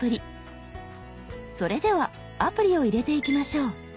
それではアプリを入れていきましょう。